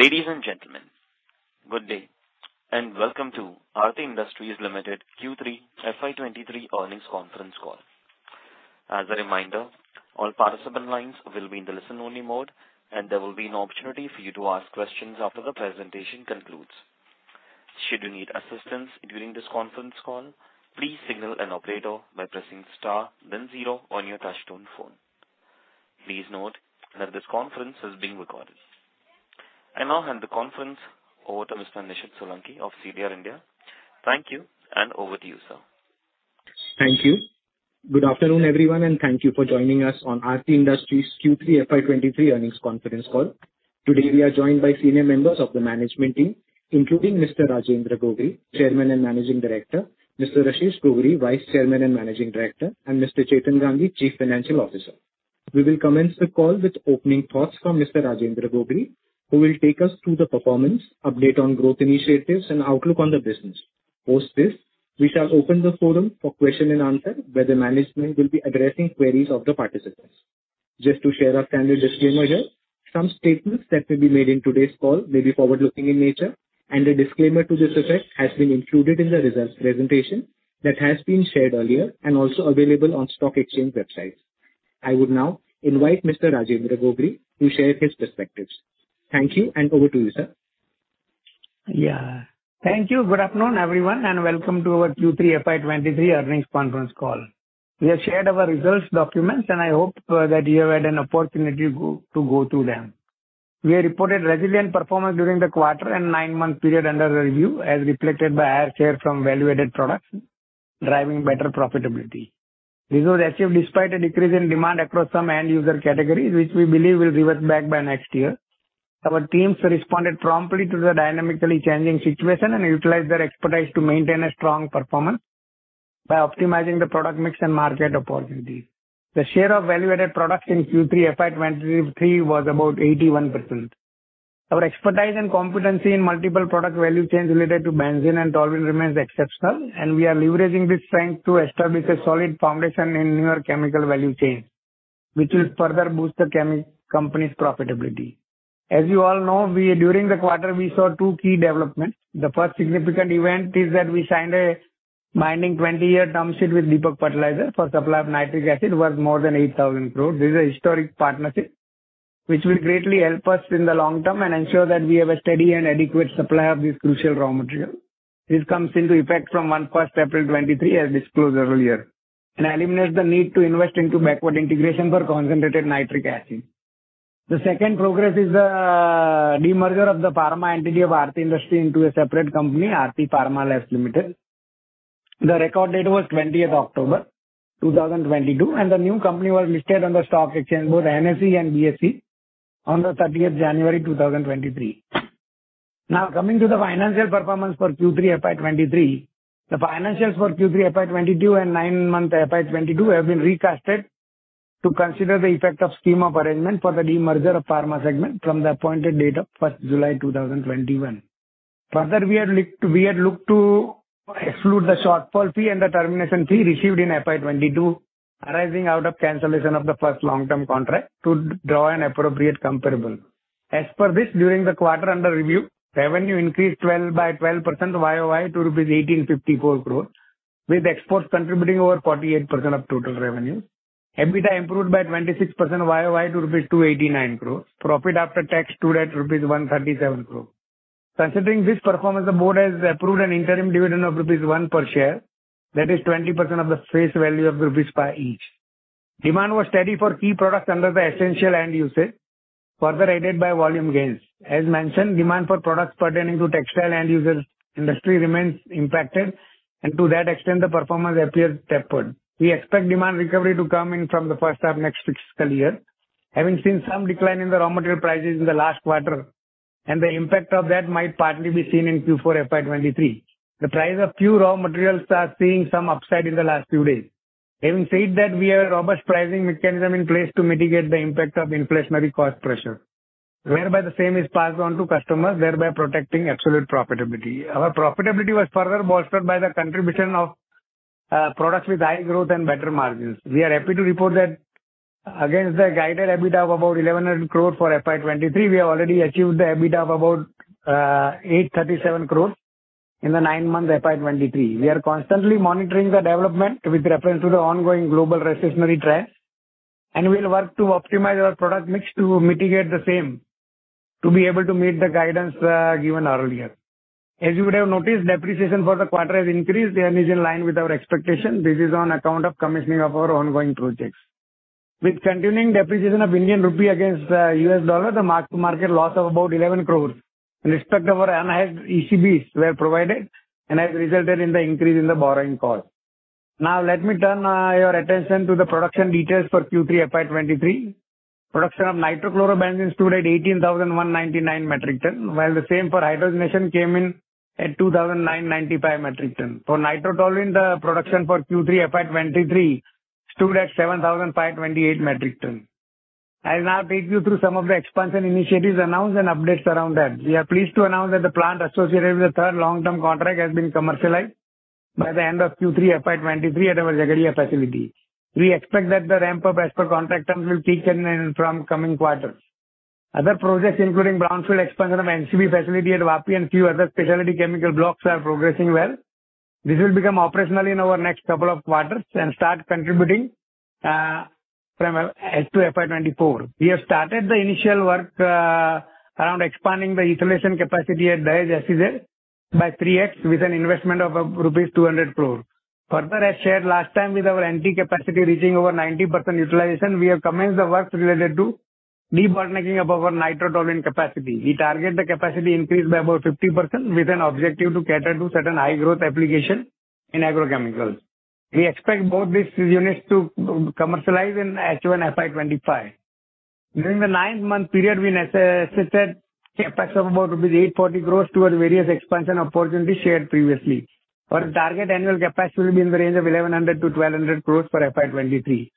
Ladies and gentlemen, good day and welcome to Aarti Industries Q3 FY23 earnings conference call. As a reminder, all participant lines will be in the listen-only mode, and there will be an opportunity for you to ask questions after the presentation concludes. Should you need assistance during this conference call, please signal an operator by pressing star 0 on your touch-tone phone. Please note that this conference is being recorded. I now hand the conference over to Mr. Nishid Solanki of CDR India. Thank you, and over to you, sir. Thank you. Good afternoon, everyone, thank you for joining us on Aarti Industries Q3 FY 2023 earnings conference call. Today, we are joined by senior members of the management team, including Mr. Rajendra Gogri, Chairman and Managing Director, Mr. Rashesh C. Gogri, Vice Chairman and Managing Director, and Mr. Chetan Gandhi, Chief Financial Officer. We will commence the call with opening thoughts from Mr. Rajendra Gogri, who will take us through the performance, update on growth initiatives, and outlook on the business. Post this, we shall open the forum for question and answer, where the management will be addressing queries of the participants. Just to share our standard disclaimer here, some statements that will be made in today's call may be forward-looking in nature, and a disclaimer to this effect has been included in the results presentation that has been shared earlier and also available on stock exchange websites. I would now invite Mr. Rajendra Gogri to share his perspectives. Thank you. Over to you, sir. Thank you. Good afternoon, everyone, and welcome to our Q3 FY23 earnings conference call. We have shared our results documents, and I hope that you have had an opportunity to go through them. We reported resilient performance during the quarter and 9-month period under review, as reflected by higher share from value-added products driving better profitability. This was achieved despite a decrease in demand across some end user categories, which we believe will reverse back by next year. Our teams responded promptly to the dynamically changing situation and utilized their expertise to maintain a strong performance by optimizing the product mix and market opportunities. The share of value-added products in Q3 FY23 was about 81%. Our expertise and competency in multiple product value chains related to benzene and toluene remains exceptional. We are leveraging this strength to establish a solid foundation in newer chemical value chains, which will further boost the company's profitability. As you all know, during the quarter, we saw two key developments. The first significant event is that we signed a binding 20-year term sheet with Deepak Fertilisers for supply of nitric acid worth more than 8,000 crore. This is a historic partnership which will greatly help us in the long term and ensure that we have a steady and adequate supply of this crucial raw material. This comes into effect from April 1, 2023, as disclosed earlier, and eliminates the need to invest into backward integration for concentrated nitric acid. The second progress is the demerger of the pharma entity of Aarti Industries into a separate company, Aarti Pharmalabs Limited. The record date was 20th October 2022, and the new company was listed on the stock exchange, both NSE and BSE, on 30th January 2023. Coming to the financial performance for Q3 FY23. The financials for Q3 FY22 and 9-month FY22 have been recasted to consider the effect of scheme of arrangement for the demerger of pharma segment from the appointed date of 1st July 2021. We had looked to exclude the shortfall fee and the termination fee received in FY22 arising out of cancellation of the first long-term contract to draw an appropriate comparable. As per this, during the quarter under review, revenue increased by 12% YOY to rupees 1,854 crores, with exports contributing over 48% of total revenue. EBITDA improved by 26% YOY to rupees 289 crores. Profit after tax stood at rupees 137 crores. Considering this performance, the board has approved an interim dividend of rupees 1 per share, that is 20% of the face value of INR 5 each. Demand was steady for key products under the essential end usage, further aided by volume gains. As mentioned, demand for products pertaining to textile end users industry remains impacted, and to that extent, the performance appears tempered. We expect demand recovery to come in from the first half next fiscal year. Having seen some decline in the raw material prices in the last quarter, the impact of that might partly be seen in Q4 FY23. The price of few raw materials are seeing some upside in the last few days. Having said that, we have a robust pricing mechanism in place to mitigate the impact of inflationary cost pressure, whereby the same is passed on to customers, thereby protecting absolute profitability. Our profitability was further bolstered by the contribution of products with high growth and better margins. We are happy to report that against the guided EBITDA of about 1,100 crores for FY23, we have already achieved the EBITDA of about 837 crores in the 9 months FY23. We are constantly monitoring the development with reference to the ongoing global recessionary trends, and we will work to optimize our product mix to mitigate the same to be able to meet the guidance given earlier. As you would have noticed, depreciation for the quarter has increased and is in line with our expectation. This is on account of commissioning of our ongoing projects. With continuing depreciation of Indian rupee against US dollar, the mark-to-market loss of about 11 crores in respect of our enhanced ECBs were provided and has resulted in the increase in the borrowing cost. Now let me turn your attention to the production details for Q3 FY 2023. Production of Nitrochlorobenzene stood at 18,199 metric tons, while the same for hydrogenation came in at 2,995 metric tons. For Nitrotoluene, the production for Q3 FY23 stood at 7,528 metric ton. I'll now take you through some of the expansion initiatives announced and updates around that. We are pleased to announce that the plant associated with the third long-term contract has been commercialized by the end of Q3 FY23 at our Jhagadia facility. We expect that the ramp up as per contract terms will peak in from coming quarters. Other projects, including brownfield expansion of MCB facility at Vapi and few other specialty chemical blocks are progressing well. This will become operational in our next couple of quarters and start contributing from as to FY24. We have started the initial work around expanding the insulation capacity at Dahej SEZ by 3x with an investment of rupees 200 crore. As shared last time with our NT capacity reaching over 90% utilization, we have commenced the works related to debottlenecking of our Nitrotoluene capacity. We target the capacity increase by about 50% with an objective to cater to certain high growth application in agrochemicals. We expect both these units to commercialize in H1 FY25. During the nine-month period, we assessed CapEx of about rupees 840 crores to our various expansion opportunities shared previously. Our target annual capacity will be in the range of 1,100-1,200 crores for FY23.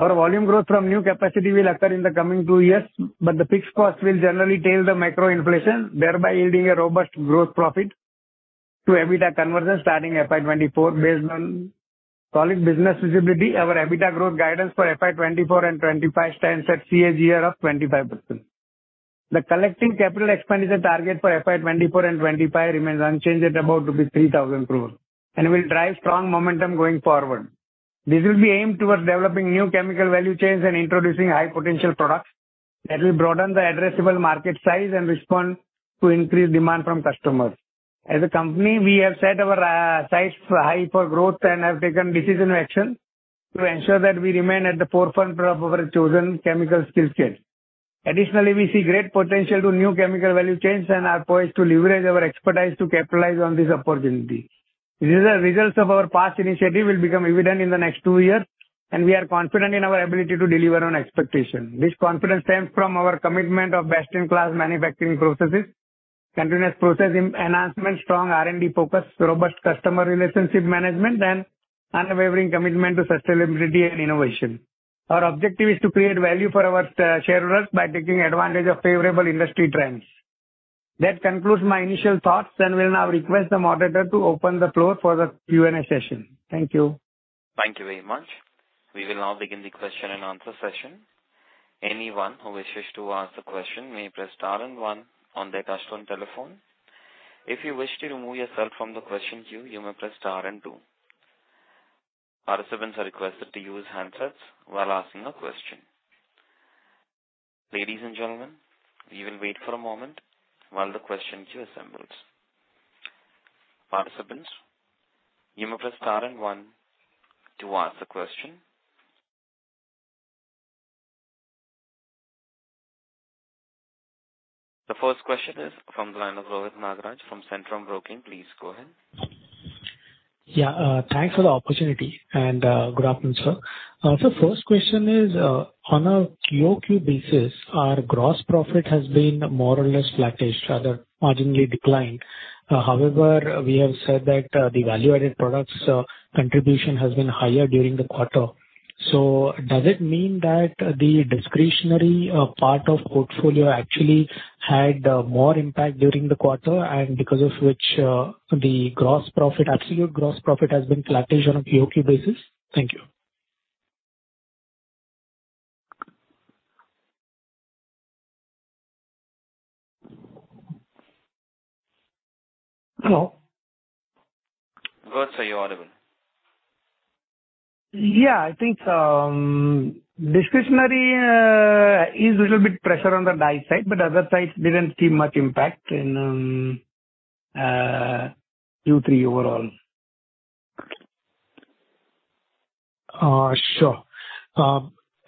Our volume growth from new capacity will occur in the coming two years, but the fixed cost will generally tail the macro inflation, thereby yielding a robust growth profit to EBITDA conversion starting FY24. Based on solid business visibility, our EBITDA growth guidance for FY 2024 and 2025 stands at CAGR of 25%. The collective capital expenditure target for FY 2024 and 2025 remains unchanged at about rupees 3,000 crores and will drive strong momentum going forward. This will be aimed towards developing new chemical value chains and introducing high potential products that will broaden the addressable market size and respond to increased demand from customers. As a company, we have set our sights high for growth and have taken decisive action to ensure that we remain at the forefront of our chosen chemical skill sets. Additionally, we see great potential to new chemical value chains and are poised to leverage our expertise to capitalize on this opportunity. The results of our past initiative will become evident in the next 2 years. We are confident in our ability to deliver on expectation. This confidence stems from our commitment of best-in-class manufacturing processes, continuous process enhancement, strong R&D focus, robust customer relationship management, and unwavering commitment to sustainability and innovation. Our objective is to create value for our shareholders by taking advantage of favorable industry trends. That concludes my initial thoughts and will now request the moderator to open the floor for the Q&A session. Thank you. Thank you very much. We will now begin the question and answer session. Anyone who wishes to ask a question may press star and 1 on their touchtone telephone. If you wish to remove yourself from the question queue, you may press star and 2. Participants are requested to use handsets while asking a question. Ladies and gentlemen, we will wait for a moment while the question queue assembles. Participants, you may press star and 1 to ask a question. The first question is from the line of Rohit Nagraj from Centrum Broking. Please go ahead. Yeah, thanks for the opportunity and, good afternoon, sir. First question is, on a QoQ basis, our gross profit has been more or less flattish, rather marginally declined. However, we have said that, the value-added products, contribution has been higher during the quarter. Does it mean that the discretionary, part of portfolio actually had more impact during the quarter and because of which, the gross profit, absolute gross profit has been flattish on a QoQ basis? Thank you. Hello. Rohit, sir, you're audible. I think discretionary is little bit pressure on the dye side, but other sides didn't see much impact in Q3 overall. Sure.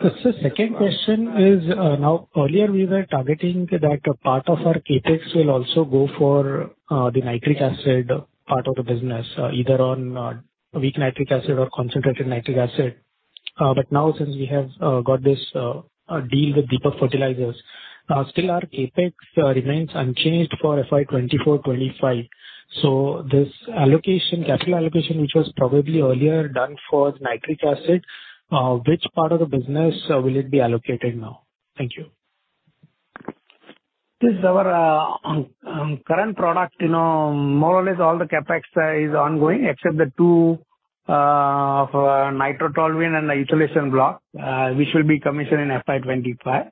Sir, second question is, now earlier we were targeting that part of our CapEx will also go for the nitric acid part of the business, either on weak nitric acid or concentrated nitric acid. Now since we have got this deal with Deepak Fertilisers, still our CapEx remains unchanged for FY 2024, 2025. This allocation, capital allocation, which was probably earlier done for nitric acid, which part of the business will it be allocated now? Thank you. This is our current product. You know, more or less all the CapEx is ongoing except the two for Nitrotoluene and the installation block, which will be commissioned in FY 2025.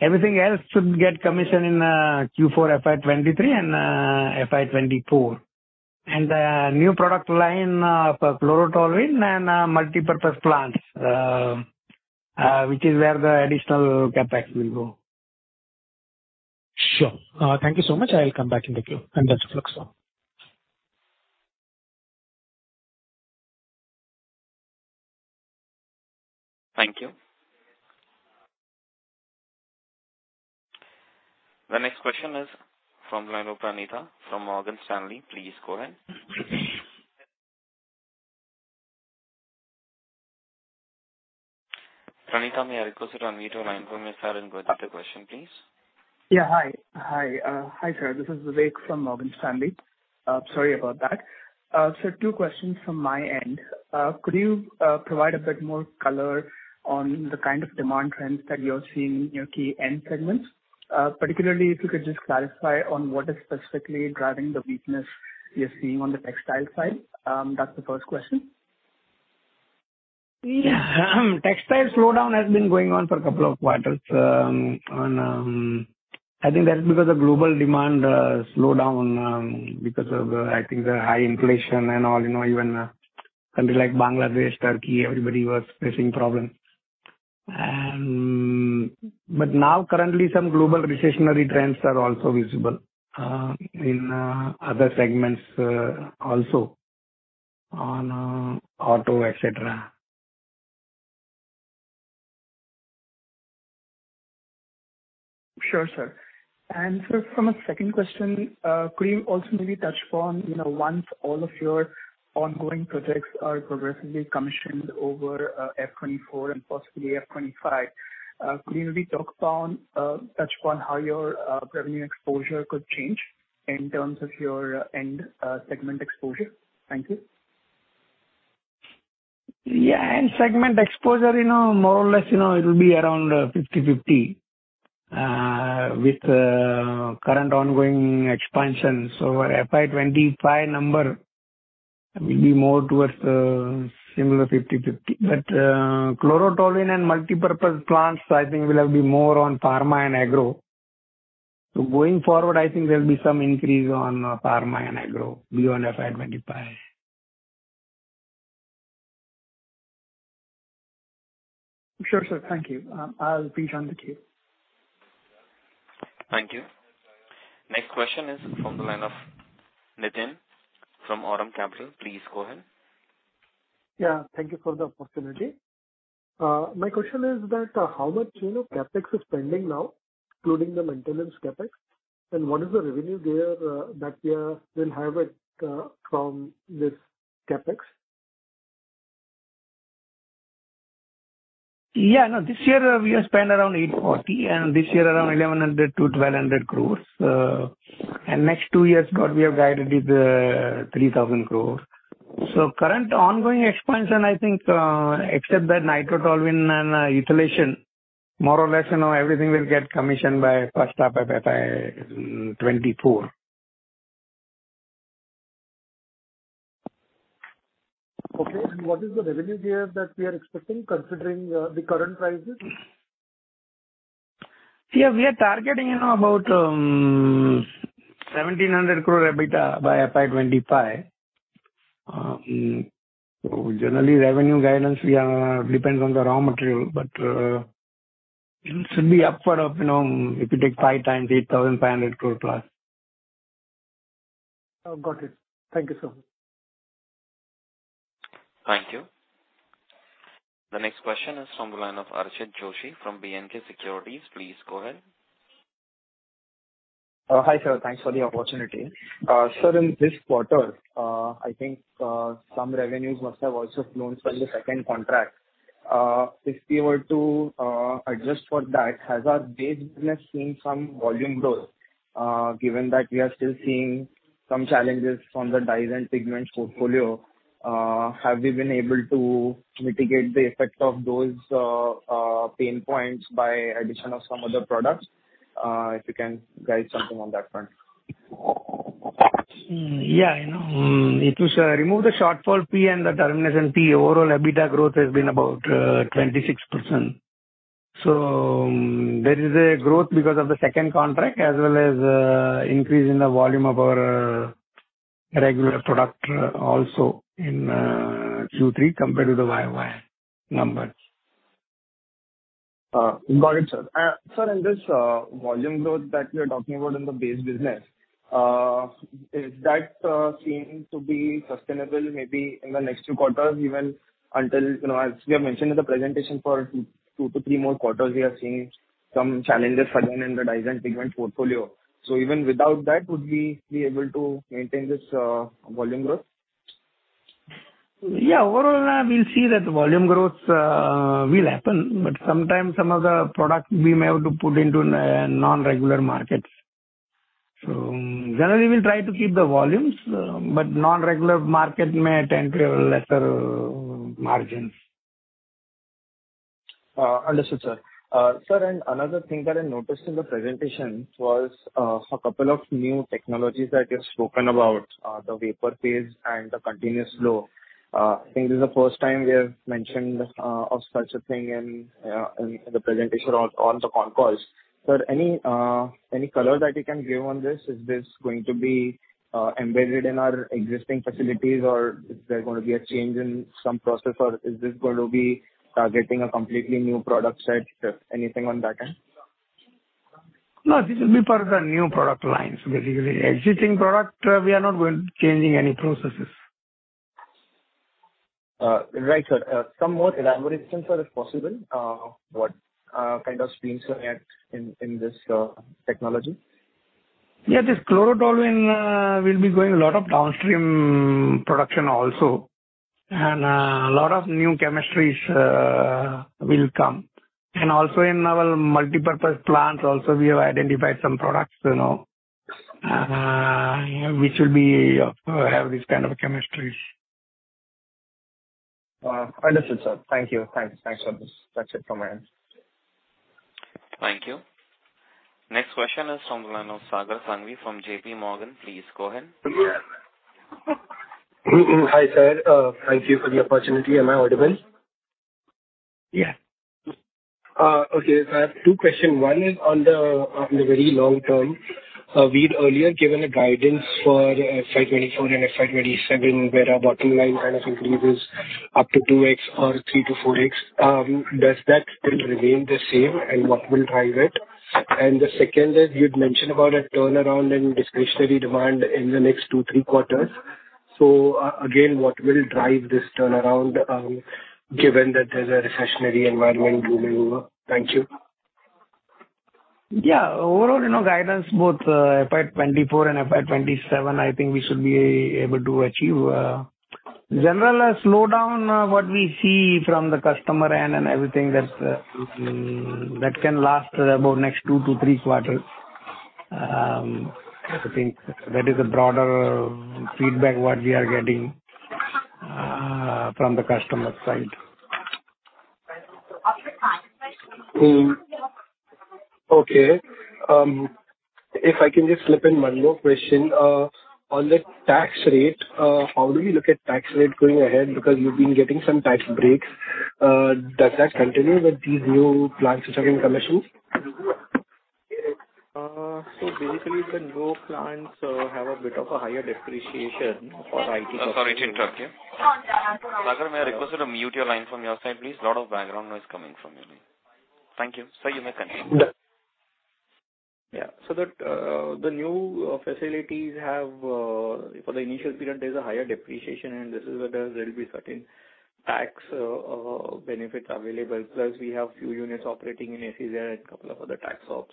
Everything else should get commissioned in Q4 FY 2023 and FY 2024. The new product line for chlorotoluene and multipurpose plants, which is where the additional CapEx will go. Sure. Thank you so much. I will come back in the queue. Best of luck, sir. Thank you. The next question is from the line of Pranita from Morgan Stanley. Please go ahead. Pranita, may I request you to unmute your line for Mr. Arun to go ahead with the question, please. Yeah. Hi. Hi. Hi, sir. This is Vivek from Morgan Stanley. Sorry about that. Two questions from my end. Could you provide a bit more color on the kind of demand trends that you're seeing in your key end segments? Particularly if you could just clarify on what is specifically driving the weakness you're seeing on the textile side. That's the first question. Yeah. Textile slowdown has been going on for a couple of quarters. I think that's because of global demand slowdown because of I think the high inflation and all, you know, even country like Bangladesh, Turkey, everybody was facing problems. Now currently some global recessionary trends are also visible in other segments also on auto, et cetera. Sure, sir. Sir, from a second question, could you also maybe touch upon, you know, once all of your ongoing projects are progressively commissioned over FY24 and possibly FY25, could you maybe talk on, touch upon how your revenue exposure could change in terms of your end, segment exposure? Thank you. Yeah. End segment exposure, you know, more or less, you know, it will be around 50/50 with current ongoing expansion. Our FY 2025 number will be more towards similar 50/50. Chlorotoluene and multipurpose plants I think will have been more on pharma and agro. Going forward, I think there'll be some increase on pharma and agro beyond FY 2025. Sure, sir. Thank you. I'll rejoin the queue. Thank you. Next question is from the line of Niteen from Aurum Capital. Please go ahead. Yeah. Thank you for the opportunity. My question is that how much, you know, CapEx is spending now, including the maintenance CapEx, and what is the revenue there Will have it from this CapEx? Yeah. No, this year, we have spent around 840, and this year around 1,100-1,200 crores. Next two years, got we have guided with 3,000 crores. Current ongoing expansion, I think, except the Nitrotoluene and ethylation, more or less, you know, everything will get commissioned by first half of FY 2024. Okay. What is the revenue there that we are expecting considering the current prices? Yeah. We are targeting, you know, about, 1,700 crore EBITDA by FY25. Generally revenue guidance, we, depends on the raw material, but, it should be upward of, you know, if you take 5 times 8,500 crore plus. Got it. Thank you, sir. Thank you. The next question is from the line of Archit Joshi from B&K Securities. Please go ahead. Hi sir. Thanks for the opportunity. Sir, in this quarter, I think, some revenues must have also flown for the second contract. If we were to, adjust for that, has our base business seen some volume growth? Given that we are still seeing some challenges from the dyes and pigments portfolio, have we been able to mitigate the effect of those, pain points by addition of some other products? If you can guide something on that front. You know, if you remove the shortfall fee and the termination fee, overall EBITDA growth has been about 26%. There is a growth because of the second contract as well as increase in the volume of our regular product also in Q3 compared to the YOY numbers. Got it, sir. Sir, in this volume growth that you're talking about in the base business, is that seeming to be sustainable maybe in the next Q2, even until, you know, as we have mentioned in the presentation for Q2-Q3 we are seeing some challenges again in the dyes and pigments portfolio. Even without that, would we be able to maintain this volume growth? Yeah. Overall, we'll see that volume growth will happen, but sometimes some of the products we may have to put into non-regular markets. Generally we'll try to keep the volumes, but non-regular market may tend to have lesser margins. Understood, sir. Sir, another thing that I noticed in the presentation was a couple of new technologies that you've spoken about the vapor phase and the continuous flow. I think this is the first time we have mentioned of such a thing in the presentation on the concalls. Sir, any color that you can give on this? Is this going to be embedded in our existing facilities or is there going to be a change in some process, or is this going to be targeting a completely new product set? Sir, anything on that end? No. This will be part of the new product lines. Basically existing product, we are not going changing any processes. Right, sir. Some more elaboration, sir, if possible. What kind of streams we have in this technology? This chlorotoluene will be going a lot of downstream production also, and a lot of new chemistries will come. Also in our multipurpose plants also we have identified some products, you know, which will be have this kind of chemistries. Understood, sir. Thank you. Thanks. Thanks for this. That's it from my end. Thank you. Next question is from the line of Sagar Sanghavi from J.P. Morgan. Please go ahead. Hi, sir. Thank you for the opportunity. Am I audible? Yeah. Okay. I have 2 question. One is on the very long term. We'd earlier given a guidance for FY 2024 and FY 2027, where our bottom line kind of increase is up to 2x or 3-4x. Does that still remain the same and what will drive it? The second is, you'd mentioned about a turnaround in discretionary demand in the next 2-3 quarters. Again, what will drive this turnaround, given that there's a recessionary environment looming? Thank you. Yeah. Overall, you know, guidance both, FY 2024 and FY 2027, I think we should be able to achieve. General slowdown, what we see from the customer end and everything that can last about next Q2-Q3. I think that is a broader feedback what we are getting, from the customer side. Okay. If I can just slip in one more question. On the tax rate, how do you look at tax rate going ahead because you've been getting some tax breaks? Does that continue with these new plants which are in commission? Basically the new plants have a bit of a higher depreciation for IT purposes. Sorry to interrupt you. Sagar, may I request you to mute your line from your side, please. Lot of background noise coming from your end. Thank you. Sir, you may continue. Yeah. That, the new facilities have for the initial period, there's a higher depreciation, and this is where there'll be certain tax benefits available. We have few units operating in SEZ and couple of other tax ops,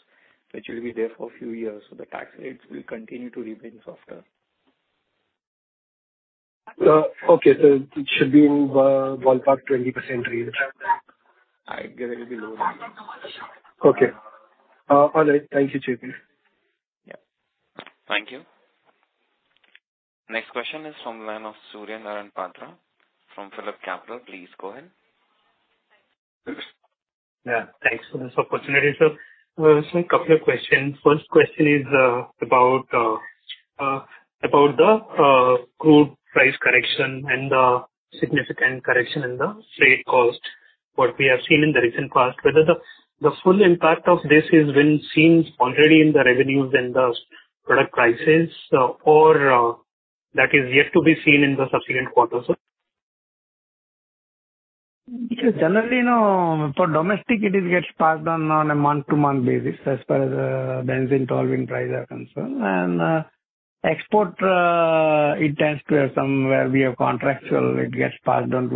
which will be there for a few years. The tax rates will continue to remain softer. okay. it should be in the ballpark 20% range. I guess it'll be lower. Okay. all right. Thank you, JP. Yeah. Thank you. Next question is from the line of Surya Narayan Patra from PhillipCapital. Please go ahead. Yeah, thanks for this opportunity, sir. Just a couple of questions. First question is about crude price correction and the significant correction in the freight cost, what we have seen in the recent past. Whether the full impact of this has been seen already in the revenues and the product prices, or that is yet to be seen in the subsequent quarters, sir? Generally, no. For domestic, it gets passed on a month-to-month basis as per the benzene, toluene prices are concerned. Export, it tends to have somewhere via contractual, it gets passed on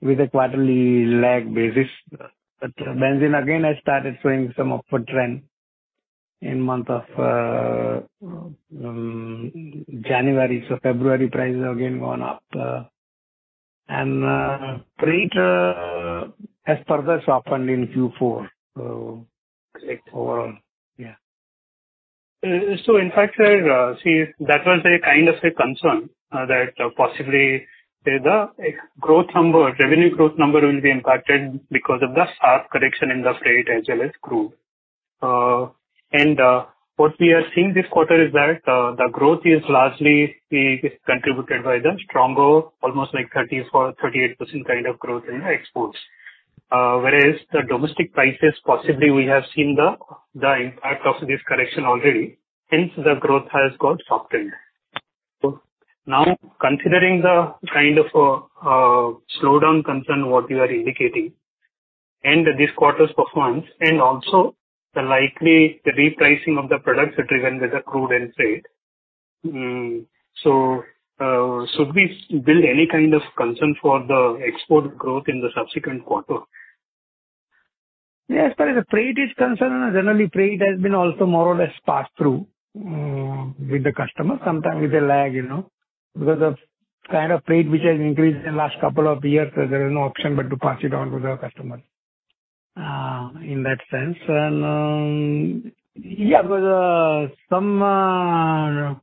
with a quarterly-lag basis. Benzene again has started showing some upward trend in month of January. February prices again gone up. Freight has further softened in Q4. I think overall, yeah. In fact, sir, that was a kind of a concern that possibly the growth number, revenue growth number will be impacted because of the sharp correction in the freight as well as crude. What we are seeing this quarter is that the growth is largely contributed by the stronger almost like 34%-38% kind of growth in the exports. Whereas the domestic prices, possibly we have seen the impact of this correction already. Hence, the growth has got softened. Now considering the kind of slowdown concern what you are indicating and this quarter's performance and also the likely repricing of the products driven with the crude and freight. Should we build any kind of concern for the export growth in the subsequent quarter? As far as the freight is concerned, generally freight has been also more or less passed through with the customer, sometime with a lag, you know. Because the kind of freight which has increased in the last couple of years, there is no option but to pass it on to the customers in that sense. Because some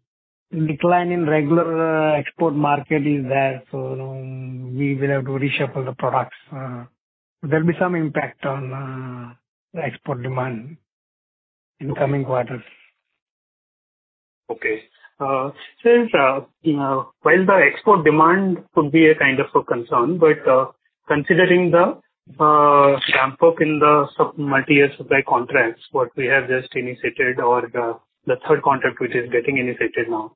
decline in regular export market is there, we will have to reshuffle the products. There'll be some impact on the export demand in coming quarters. Okay. Since, you know, while the export demand could be a kind of a concern, but considering the ramp-up in the sub multiyear supply contracts, what we have just initiated or the third contract which is getting initiated now.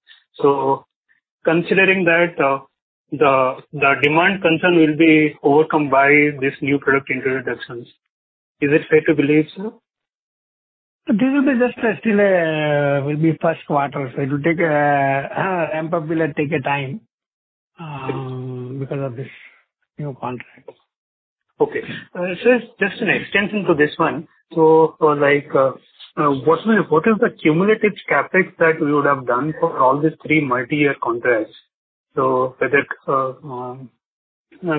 Considering that, the demand concern will be overcome by this new product introductions. Is it fair to believe so? This will be just, still, will be first quarter, so it will take ramp-up will take a time, because of this new contract. Okay. sir, just an extension to this one. for like, what is the cumulative CapEx that you would have done for all these three multi-year contracts? whether,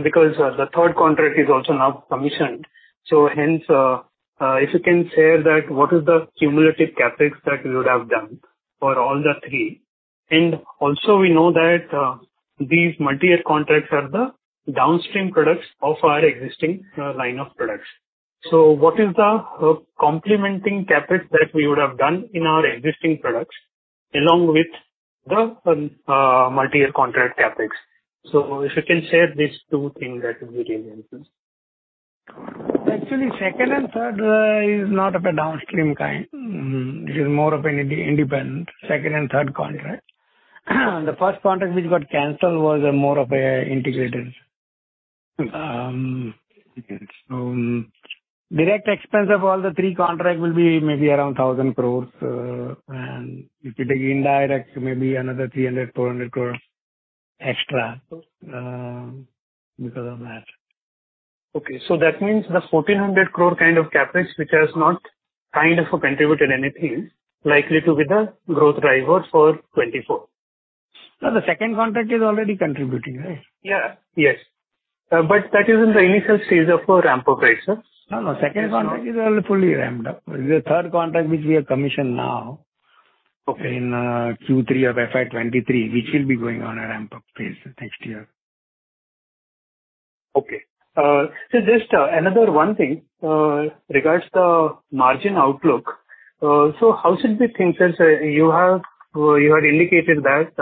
because the third contract is also now commissioned. Hence, if you can share that what is the cumulative CapEx that you would have done for all the three. Also we know that these multi-year contracts are the downstream products of our existing line of products. what is the complementing CapEx that we would have done in our existing products along with the multi-year contract CapEx? If you can share these two things, that would be really helpful. Actually, second and third, is not of a downstream kind. This is more of an independent second and third contract. The first contract which got canceled was more of a integrated. Direct expense of all the 3 contracts will be maybe around 1,000 crores. If you take indirect, maybe another 300-400 crores extra, because of that. Okay. That means the 1,400 crore kind of CapEx, which has not kind of contributed anything, likely to be the growth driver for 2024. No, the second contract is already contributing, right? Yeah. Yes. That is in the initial stage of a ramp-up, right, sir? No, no. Second contract is already fully ramped up. The third contract, which we have commissioned now- Okay. in Q3 of FY 23, which will be going on a ramp-up phase next year. Okay. Just another one thing, regards the margin outlook. How should we think, since you had indicated that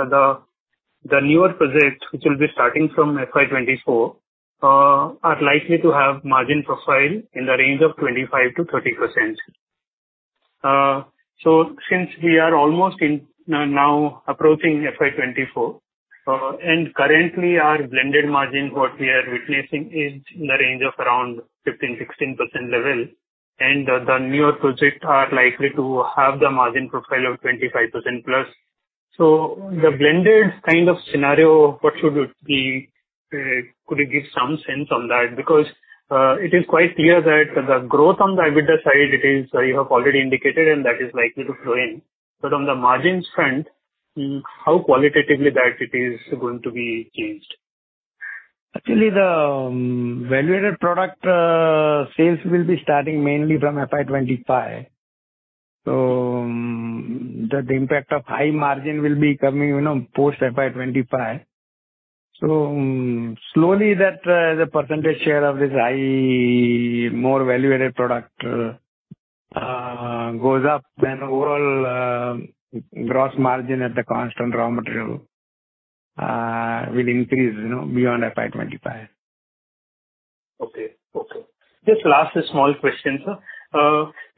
the newer projects which will be starting from FY 2024, are likely to have margin profile in the range of 25%-30%? Since we are almost now approaching FY 2024, currently our blended margin, what we are witnessing is in the range of around 15%, 16% level. The, the newer projects are likely to have the margin profile of 25% plus. The blended kind of scenario, what should it be? Could you give some sense on that? Because it is quite clear that the growth on the EBITDA side, it is, you have already indicated, and that is likely to flow in. On the margins front, how qualitatively that it is going to be changed? The value-added product sales will be starting mainly from FY 25. The impact of high margin will be coming, you know, post FY 25. Slowly that the % share of this high more value-added product goes up and overall gross margin at the constant raw material will increase, you know, beyond FY 25. Okay. Okay. Just last small question, sir.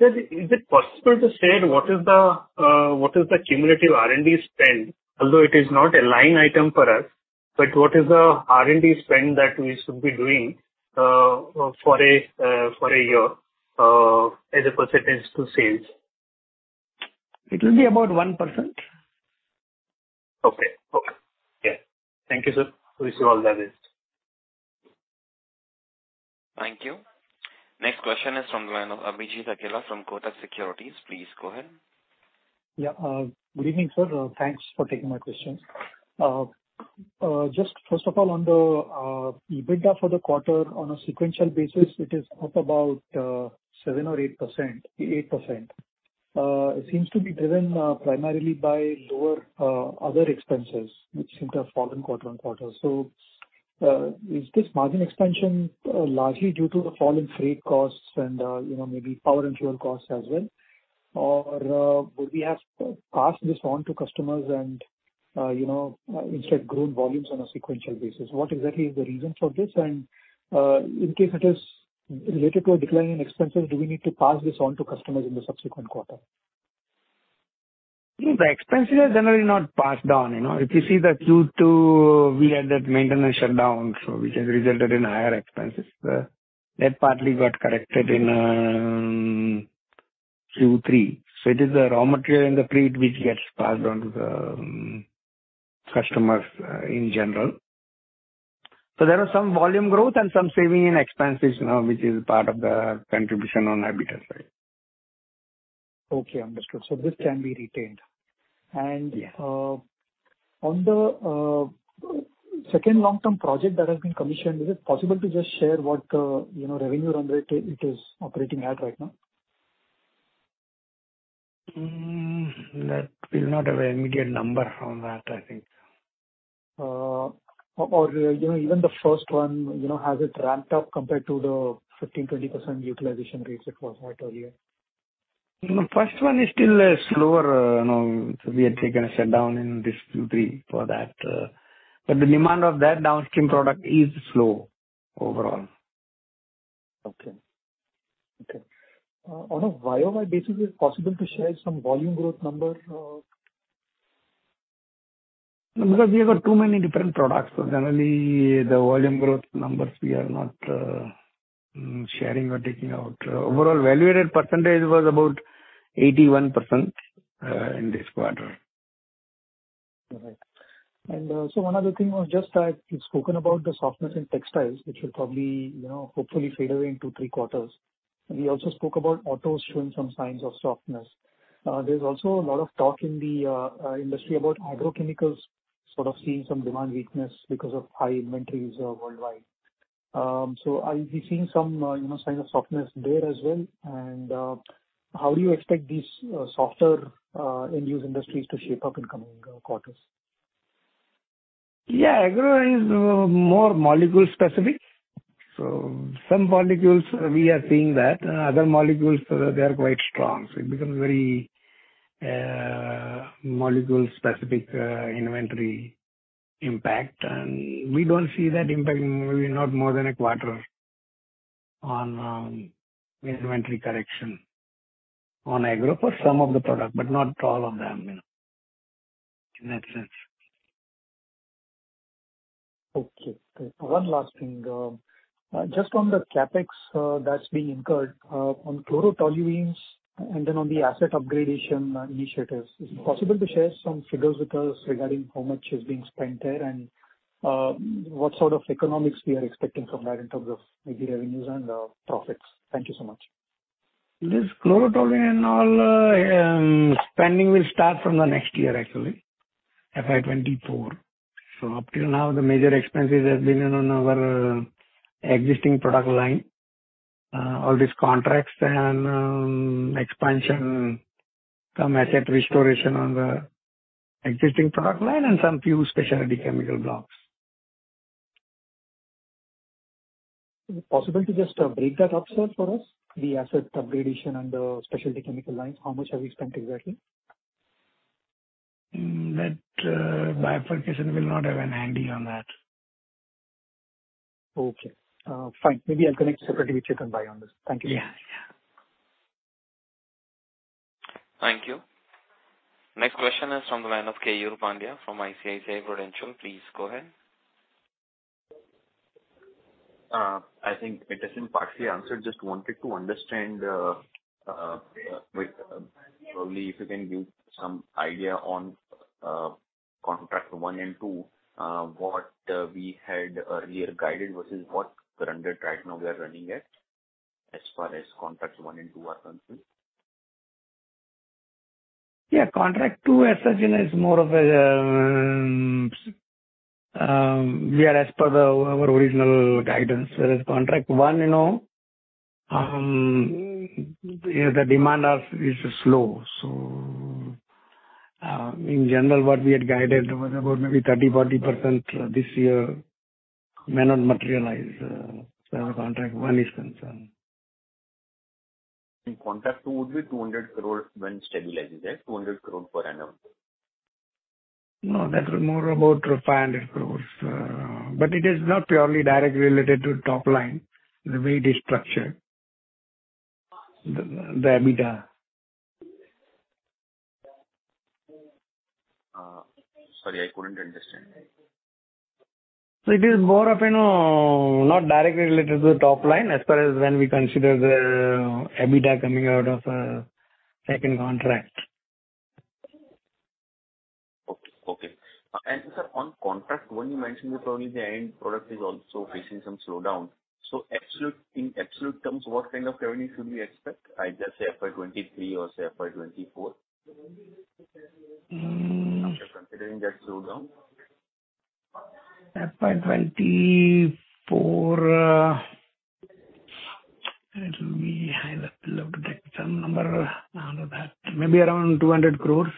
Is it possible to say what is the cumulative R&D spend? Although it is not a line item for us, what is the R&D spend that we should be doing for a year as a % to sales? It will be about 1%. Okay. Okay. Yeah. Thank you, sir. Wish you all the best. Thank you. Next question is from the line of Abhijit Akella from Kotak Securities. Please go ahead. Yeah. Good evening, sir. Thanks for taking my question. Just first of all, on the EBITDA for the quarter on a sequential basis, it is up about 7% or 8%. 8%. It seems to be driven primarily by lower other expenses which seem to have fallen quarter-on-quarter. Is this margin expansion largely due to the fall in freight costs and, you know, maybe power and fuel costs as well? Would we have passed this on to customers and, you know, instead grown volumes on a sequential basis? What exactly is the reason for this? In case it is related to a decline in expenses, do we need to pass this on to customers in the subsequent quarter? The expenses are generally not passed down, you know. If you see the Q2, we had that maintenance shutdown, which has resulted in higher expenses. That partly got corrected in Q3. It is the raw material and the freight which gets passed on to the customers, in general. There was some volume growth and some saving in expenses now, which is part of the contribution on EBITDA side. Okay, understood. This can be retained. Yeah. On the second long-term project that has been commissioned, is it possible to just share what the, you know, revenue run rate it is operating at right now? That we'll not have an immediate number from that, I think. You know, even the first one, you know, has it ramped up compared to the 15%-20% utilization rates it was at earlier? The first one is still slower. You know, we had taken a shutdown in this Q3 for that. The demand of that downstream product is slow overall. Okay. Okay. On a YOY basis, is it possible to share some volume growth number? We have got too many different products. Generally the volume growth numbers we are not sharing or taking out. Overall value-added percentage was about 81% in this quarter. All right. One other thing was just that you've spoken about the softness in textiles, which will probably, you know, hopefully fade away in Q2-Q3. You also spoke about auto showing some signs of softness. There's also a lot of talk in the industry about agrochemicals sort of seeing some demand weakness because of high inventories worldwide. So are we seeing some, you know, signs of softness there as well and how do you expect these softer end-use industries to shape up in coming quarters? Yeah. Agro is more molecule specific. Some molecules we are seeing that. Other molecules, they are quite strong. It becomes very molecule specific inventory impact. We don't see that impact maybe not more than a quarter on inventory correction on agro plus some of the product, but not all of them, you know, in that sense. Okay. One last thing. Just on the CapEx that's being incurred on chlorotoluenes and then on the asset up gradation initiatives. Is it possible to share some figures with us regarding how much is being spent there and what sort of economics we are expecting from that in terms of maybe revenues and profits? Thank you so much. This chlorotoluene and all, spending will start from the next year actually, FY 2024. Up till now the major expenses has been on our existing product line. All these contracts and expansion, some asset restoration on the existing product line and some few specialty chemical blocks. Is it possible to just break that up, sir, for us, the asset upgradation and the specialty chemical lines, how much have you spent exactly? That bifurcation, we'll not have an handy on that. Okay. fine. Maybe I'll connect separately with you then by on this. Thank you. Yeah. Yeah. Thank you. Next question is from the line of Keyur Pandya from ICICI Prudential. Please go ahead. I think it has been partially answered. Just wanted to understand, probably if you can give some idea on contract 1 and 2, what we had earlier guided versus what the rendered right now we are running at as far as contracts 1 and 2 are concerned. Yeah. Contract two as such is more of a, we are as per the, our original guidance. Contract one, you know, the demand of is slow. In general, what we had guided was about maybe 30%-40% this year may not materialize, as far as contract one is concerned. Contract two would be 200 crores when stabilized. Is that 200 crores per annum? No, that was more about 500 crores. It is not purely directly related to top line, the way it is structured, the EBITDA. sorry, I couldn't understand. It is more of, you know, not directly related to the top line as far as when we consider the EBITDA coming out of, second contract. Okay. Sir, on contract one, you mentioned that probably the end product is also facing some slowdown. In absolute terms, what kind of revenue should we expect, either say FY 2023 or say FY 2024? Mm. After considering that slowdown. FY 2024, I'll have to look at some number out of that. Maybe around INR 200 crores.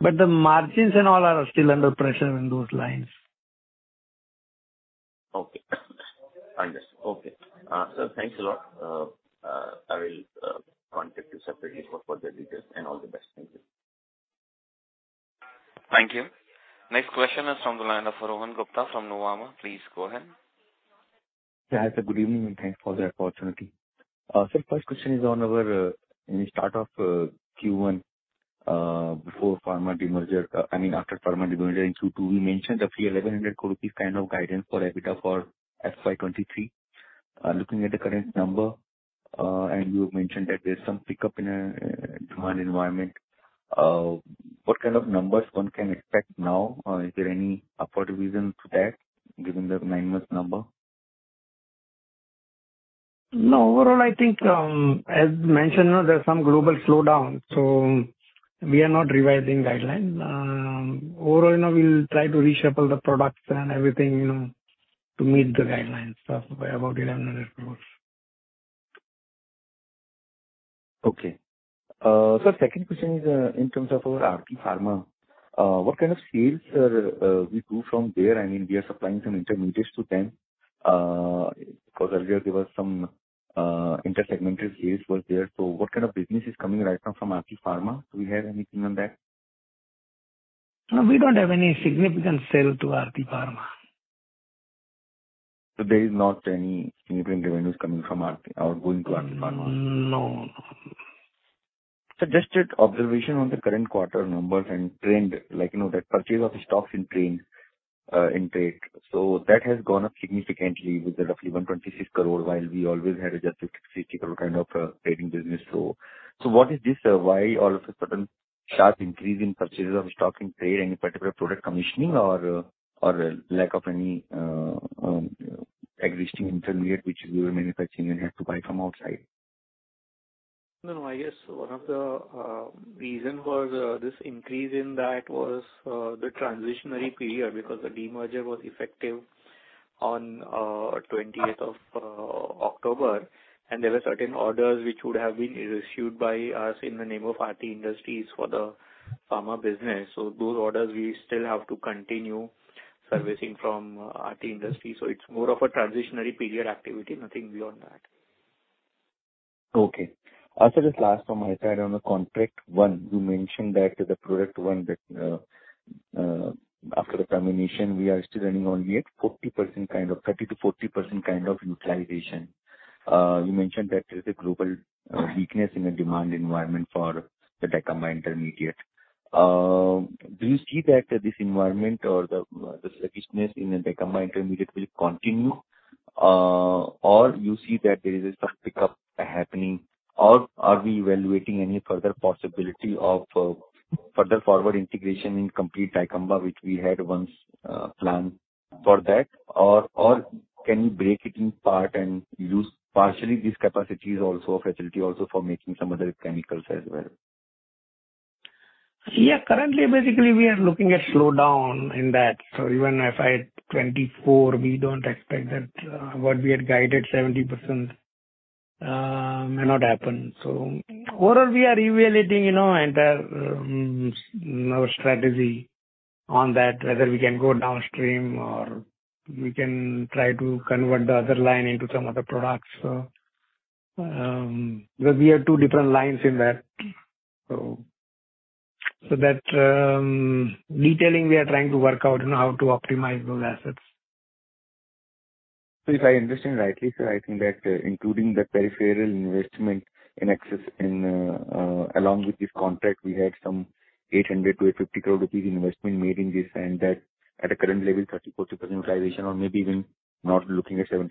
The margins and all are still under pressure in those lines. Okay. Understood. Okay. sir, thanks a lot. I will contact you separately for the details and all the best. Thank you. Thank you. Next question is from the line of Rohan Gupta from Nuvama. Please go ahead. Good evening, and thanks for the opportunity. First question is on our, in the start of Q1, before pharma demerger, I mean, after pharma demerger in Q2, we mentioned a free 1,100 crore rupees kind of guidance for EBITDA for FY23. Looking at the current number, and you mentioned that there's some pickup in demand environment. What kind of numbers one can expect now? Is there any upward revision to that given the 9 months number? No. Overall, I think, as mentioned, you know, there are some global slowdown, we are not revising guidelines. Overall, you know, we'll try to reshuffle the products and everything, you know, to meet the guidelines of about 1,100 crores. Okay. Second question is, in terms of our Aarti Pharma. What kind of sales are we do from there? I mean, we are supplying some intermediates to them. Earlier there was some inter-segment sales was there. What kind of business is coming right now from Aarti Pharma? Do we have anything on that? No, we don't have any significant sale to Aarti Pharma. There is not any significant revenues coming from Aarti or going to Aarti Pharma. No. Sir, just observation on the current quarter numbers and trend, like, you know, that purchase of stocks in trend, in trade. That has gone up significantly with roughly 126 crore, while we always had a just 60 crore kind of trading business. What is this, sir? Why all of a sudden sharp increase in purchases of stock in trade? Any particular product commissioning or lack of any existing intermediate which we were manufacturing and have to buy from outside? I guess one of the reason for this increase in that was the transitionary period because the demerger was effective on 20th of October. There were certain orders which would have been issued by us in the name of Aarti Industries for the pharma business. Those orders we still have to continue servicing from Aarti Industries. It's more of a transitionary period activity, nothing beyond that. Okay. Also just last from my side on the contract. One, you mentioned that the project one that, after the termination, we are still running only at 40% kind of, 30%-40% kind of utilization. You mentioned that there's a global weakness in the demand environment for the Dicamba intermediate. Do you see that this environment or the sluggishness in the Dicamba intermediate will continue? Or you see that there is some pickup happening? Or are we evaluating any further possibility of further forward integration in complete Dicamba, which we had once planned for that? Or, or can we break it in part and use partially these capacities also, facility also for making some other chemicals as well? Yeah. Currently, basically we are looking at slowdown in that. Even FY 2024, we don't expect that, what we had guided 70%, may not happen. Overall we are evaluating, you know, entire our strategy on that, whether we can go downstream or we can try to convert the other line into some other products. Because we have two different lines in that. That detailing we are trying to work out on how to optimize those assets. If I understand rightly, sir, I think that including the peripheral investment in excess in, along with this contract we had some 800 crore-850 crore rupees investment made in this and that at a current level, 34% utilization or maybe even not looking at 70%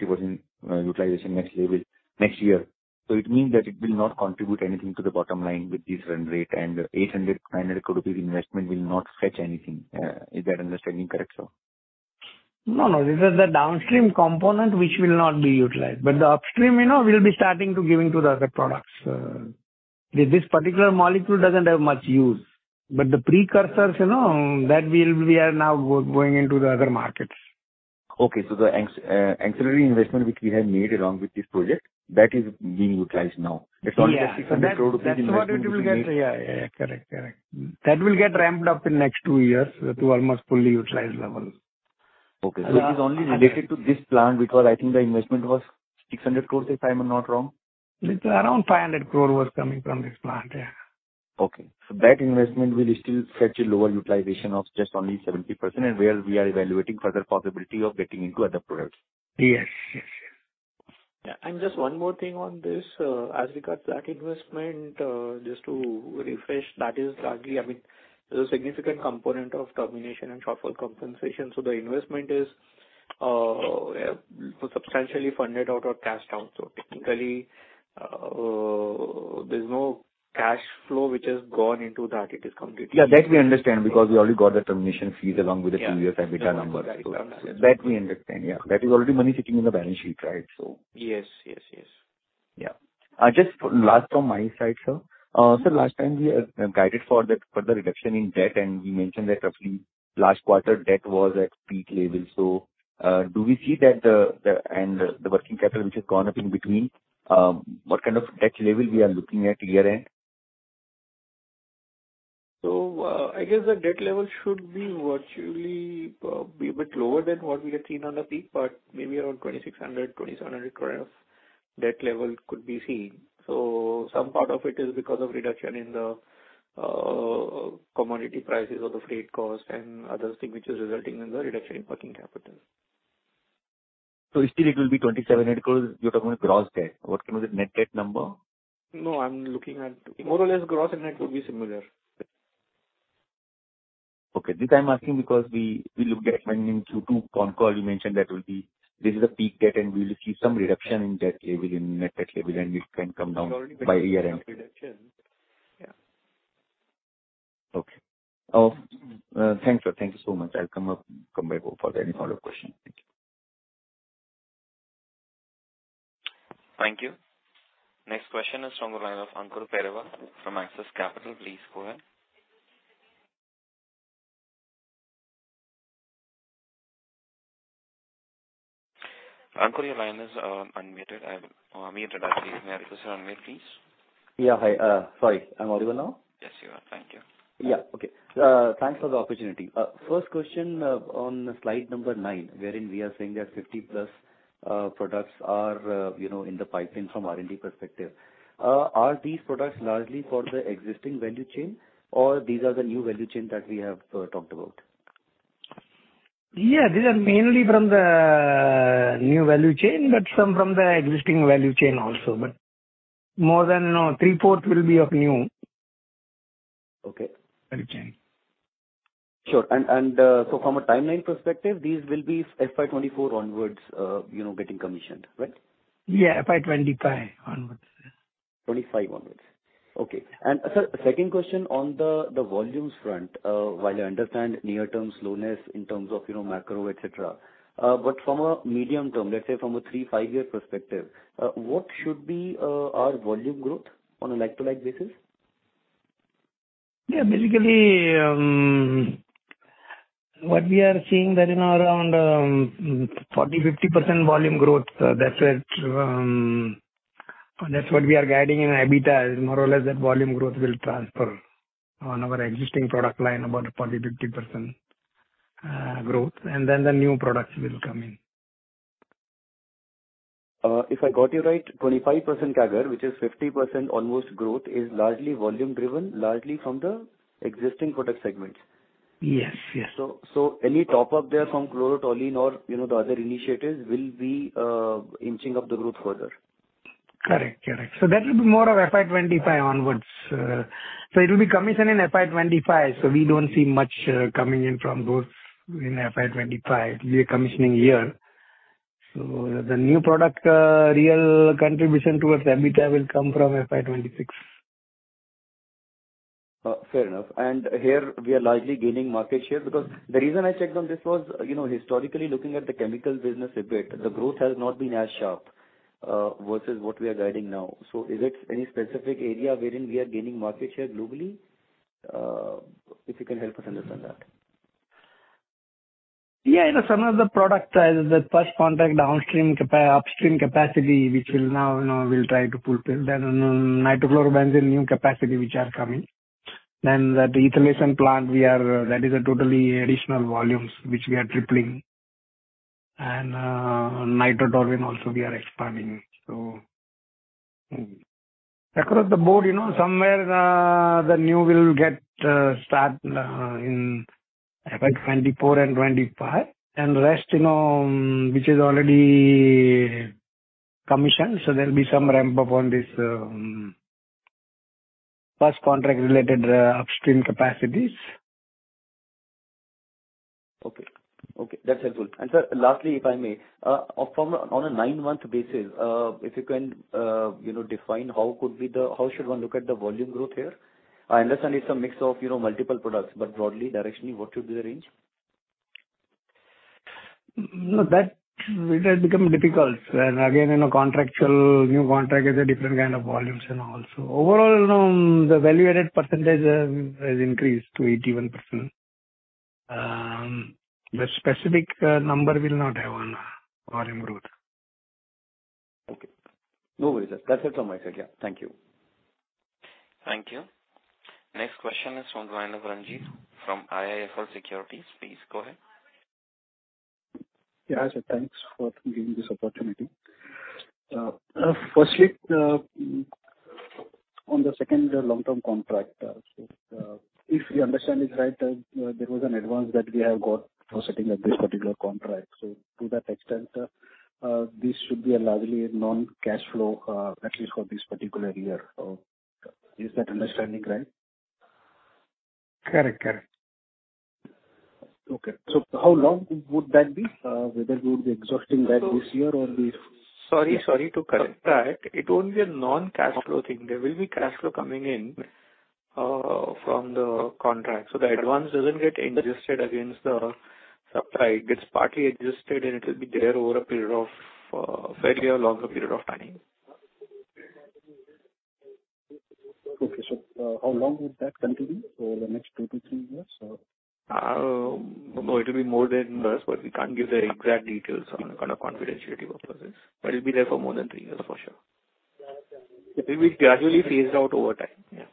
utilization next level, next year. It means that it will not contribute anything to the bottom line with this run rate and 800 crore-900 crore rupees investment will not fetch anything. Is that understanding correct, sir? No, no. These are the downstream component which will not be utilized. The upstream, you know, we'll be starting to giving to the other products. This particular molecule doesn't have much use, but the precursors, you know, we are now going into the other markets. Okay. The ancillary investment which we have made along with this project, that is being utilized now. Yeah. It's only the 600 crore rupees investment which is yet-. That's what it will get. Yeah. Yeah. Yeah. Correct. That will get ramped up in next two years to almost fully utilized levels. Okay. Uh, and then- It is only related to this plant because I think the investment was 600 crores, if I am not wrong. It's around 500 crore was coming from this plant. Yeah. Okay. That investment will still fetch a lower utilization of just only 70% and where we are evaluating further possibility of getting into other products. Yes. Yes. Yes. Yeah. Just one more thing on this. As regards that investment, just to refresh, that is largely, I mean, there's a significant component of termination and shortfall compensation. The investment is substantially funded out or cashed out. Technically, there's no cash flow which has gone into that. It is completely. Yeah, that we understand because we already got the termination fees along with the... Yeah. Q2 and EBITDA numbers. That comes. That we understand. Yeah. That is already money sitting in the balance sheet, right? So... Yes. Yes. Yes. Yeah. just last from my side, sir. last time we guided for the further reduction in debt, and you mentioned that roughly last quarter debt was at peak level. do we see that the and the working capital which has gone up in between, what kind of debt level we are looking at year-end? I guess the debt level should be virtually be a bit lower than what we had seen on the peak, but maybe around 2,600 crore-2,700 crore of debt level could be seen. Some part of it is because of reduction in the commodity prices or the freight cost and other thing which is resulting in the reduction in working capital. Still it will be 2,700 crores. You're talking about gross debt. What was the net debt number? No, I'm looking at. More or less gross and net will be similar. This I'm asking because we looked at when in Q2 con call you mentioned this is a peak debt and we will see some reduction in debt level, in net debt level and it can come down by year-end. It's already been in reduction. Yeah. Okay. Thanks, sir. Thank you so much. I'll come back up for any follow-up question. Thank you. Thank you. Next question is from the line of Ankur Periwal from Axis Capital. Please go ahead. Ankur, your line is unmuted. I will mute it after you've made your question. Unmute, please. Yeah. Hi. sorry. I'm audible now? Yes, you are. Thank you. Yeah. Okay. Thanks for the opportunity. First question on slide number 9, wherein we are saying that 50-plus products are, you know, in the pipeline from R&D perspective. Are these products largely for the existing value chain or these are the new value chain that we have talked about? Yeah. These are mainly from the new value chain, but some from the existing value chain also. More than three-fourth will be of Okay. value chain. Sure. From a timeline perspective, these will be FY 2024 onwards, you know, getting commissioned, right? Yeah, FY 2025 onwards. Yeah. 25 onwards. Okay. Sir, second question on the volumes front. While I understand near-term slowness in terms of, you know, macro, et cetera. From a medium term, let's say from a 3, 5-year perspective, what should be our volume growth on a like-to-like basis? Yeah. Basically, what we are seeing that in around 40%-50% volume growth. That's it. That's what we are guiding in EBITDA. More or less, that volume growth will transfer on our existing product line about 40%-50% growth. The new products will come in. If I got you right, 25% CAGR, which is 50% almost growth, is largely volume driven, largely from the existing product segments. Yes. Yes. Any top up there from chlorotoluene or, you know, the other initiatives will be, inching up the growth further. Correct. Correct. That will be more of FY 2025 onwards. It will be commissioned in FY 2025, we don't see much coming in from both in FY 2025. It will be a commissioning year. The new product real contribution towards EBITDA will come from FY 2026. Fair enough. Here we are largely gaining market share because the reason I checked on this was, you know, historically, looking at the chemical business a bit, the growth has not been as sharp versus what we are guiding now. Is it any specific area wherein we are gaining market share globally? If you can help us understand that. Yeah. You know, some of the products, upstream capacity, which will now, you know, we'll try to fulfill. Nitrochlorobenzene new capacity which are coming. That ethylation plant. That is a totally additional volumes which we are tripling. Nitrotoluene also we are expanding. Across the board, you know, somewhere, the new will get, start, in FY 2024 and 2025. Rest, you know, which is already commissioned, so there'll be some ramp-up on this, first contract related upstream capacities. Okay. Okay, that's helpful. Sir, lastly, if I may. On a 9-month basis, if you can, you know, define how should one look at the volume growth here? I understand it's a mix of, you know, multiple products, but broadly directionally, what should be the range? No. That it has become difficult. Again, you know, contractual, new contract is a different kind of volumes and also. Overall, you know, the value-added percentage has increased to 81%. The specific number we'll not have on volume growth. Okay. No worries, sir. That's helpful, my second. Thank you. Thank you. Next question is from Rajiv Ranjan from IIFL Securities. Please go ahead. Sir, thanks for giving this opportunity. Firstly, on the second long-term contract, if we understand this right, there was an advance that we have got for setting up this particular contract. To that extent, this should be a largely non-cash flow, at least for this particular year. Is that understanding right? Correct. Correct. Okay. How long would that be? Whether we would be exhausting that this year or the. Sorry to correct that. It won't be a non-cash flow thing. There will be cash flow coming in from the contract. The advance doesn't get adjusted against the supply. It gets partly adjusted, and it will be there over a period of fairly a longer period of time. Okay. How long would that continue? Over the next two to three years or? no, it'll be more than years, but we can't give the exact details on kind of confidentiality purposes. It'll be there for more than three years for sure. It will be gradually phased out over time.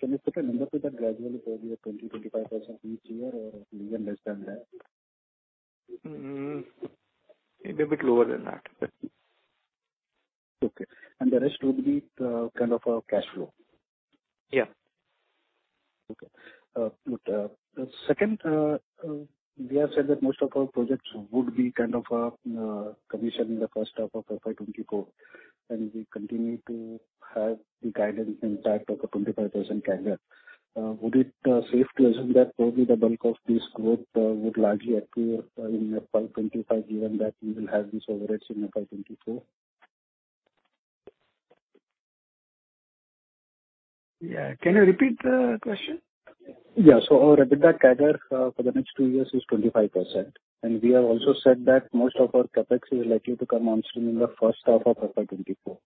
Can you put a number to that gradually? Probably 20%-25% each year or even less than that? Mm. It'll be lower than that. Okay. The rest would be, kind of a cash flow. Yeah. Okay. Good. Second, we have said that most of our projects would be kind of commissioned in the first half of FY 2024, and we continue to have the guidance impact of a 25% CAGR. Would it be safe to assume that probably the bulk of this growth would largely occur in FY 2025, given that you will have these overages in FY 2024? Yeah. Can you repeat the question? Yeah. Our EBITDA CAGR for the next 2 years is 25%. We have also said that most of our CapEx is likely to come on stream in the first half of FY 2024.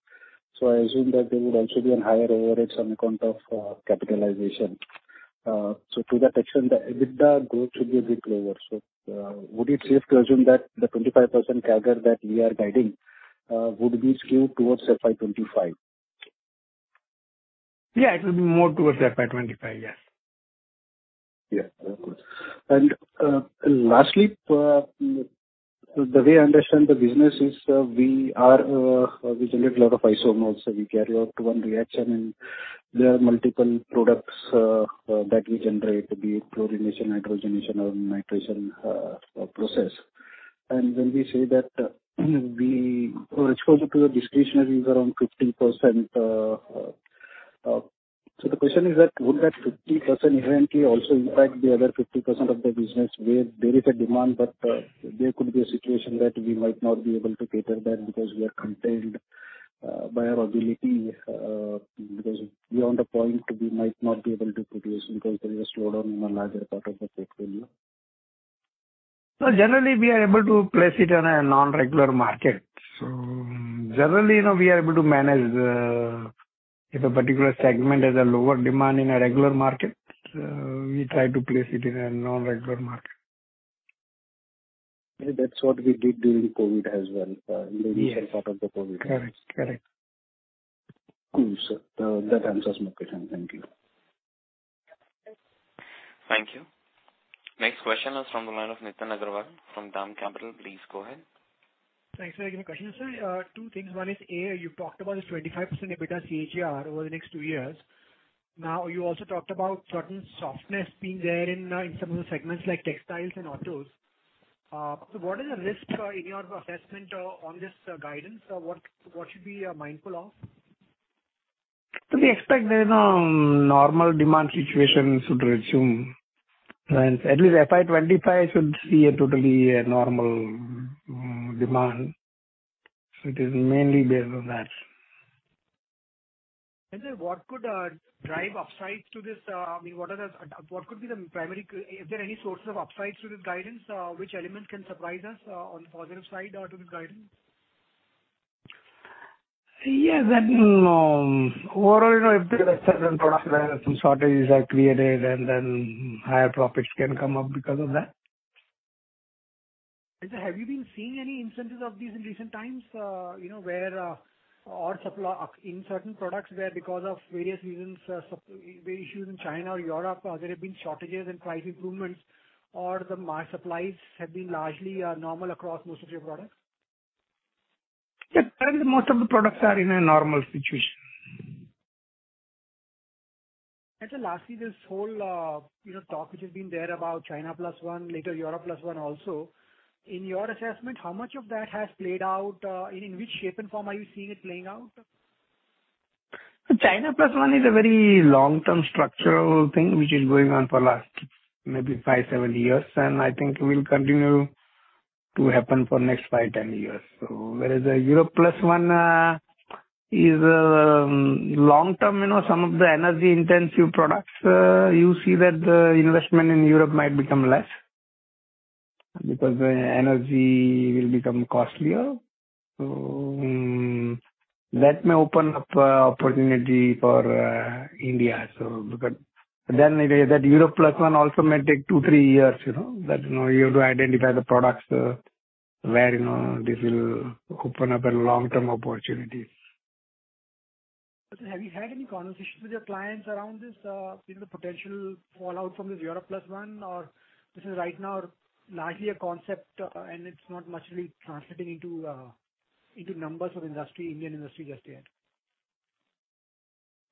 I assume that there would also be an higher overage on account of capitalization. To that extent, the EBITDA growth should be a bit lower. Would it be safe to assume that the 25% CAGR that we are guiding would be skewed towards FY 2025? Yeah, it will be more towards the FY 2025. Yeah. Yeah, of course. Lastly, the way I understand the business is, we generate a lot of isomers. We carry out 1 reaction, and there are multiple products that we generate, be it chlorination, nitrogenation or nitration process. When we say that, we are exposed to the discretionary is around 15%. So the question is that would that 50% inherently also impact the other 50% of the business where there is a demand, but there could be a situation that we might not be able to cater that because we are contained by our ability because beyond a point, we might not be able to produce because there is a slowdown in the larger part of the portfolio. Generally, we are able to place it on a non-regular market. Generally, you know, we are able to manage, if a particular segment has a lower demand in a regular market, we try to place it in a non-regular market. That's what we did during COVID as well. Yes. In the initial part of the COVID. Correct. Correct. Cool, sir. That answers my question. Thank you. Thank you. Next question is from the line of Nitin Agarwal from DAM Capital. Please go ahead. Thanks for taking the question, sir. Two things. One is, A, you've talked about this 25% EBITDA CAGR over the next 2 years. You also talked about certain softness being there in some of the segments like textiles and autos. What is the risk in your assessment on this guidance? Or what should we be mindful of? We expect the normal demand situation should resume. At least FY 25 should see a totally normal demand. It is mainly based on that. Sir, what could drive upsides to this? I mean, is there any source of upside to this guidance? Which element can surprise us, on the positive side, to the guidance? Yes. I mean, overall, you know, if there are certain products where some shortages are created and then higher profits can come up because of that. Sir, have you been seeing any instances of these in recent times, you know, where, or supply in certain products where, because of various reasons, issues in China or Europe, there have been shortages and price improvements, or the supplies have been largely normal across most of your products? Yeah. Currently, most of the products are in a normal situation. Lastly, this whole, you know, talk which has been there about China plus one, later Europe plus one also. In your assessment, how much of that has played out? In which shape and form are you seeing it playing out? China plus one is a very long-term structural thing which is going on for last maybe 5, 7 years, and I think will continue to happen for next 5, 10 years. Whereas the Europe plus one is long-term, you know, some of the energy intensive products, you see that the investment in Europe might become less because the energy will become costlier. That may open up opportunity for India. That Europe plus one also may take 2, 3 years, you know. That, you know, you have to identify the products, where, you know, this will open up a long-term opportunity. Have you had any conversations with your clients around this, you know, the potential fallout from this Europe plus one, or this is right now largely a concept and it's not much really translating into numbers for industry, Indian industry just yet?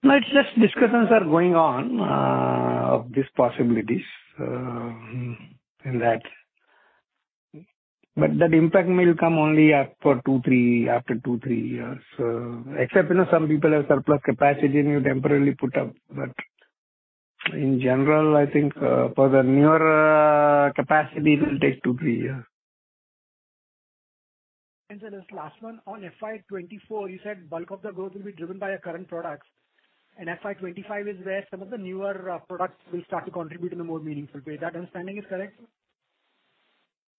It's just discussions are going on of these possibilities in that. That impact may come only after two, three years. Except, you know, some people have surplus capacity and you temporarily put up. In general, I think, for the newer capacity, it will take two, three years. Sir, this last one. On FY 2024, you said bulk of the growth will be driven by your current products, and FY 2025 is where some of the newer products will start to contribute in a more meaningful way. That understanding is correct?